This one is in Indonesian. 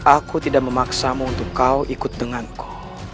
aku tidak memaksamu untuk kau ikut denganku